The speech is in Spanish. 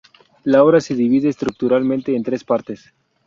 La obra se divide estructuralmente en tres partes.